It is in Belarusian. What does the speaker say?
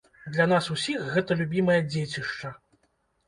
Для нас усіх гэта любімае дзецішча.